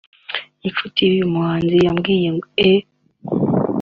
Inshuti y’uyu muhanzi yabwiye E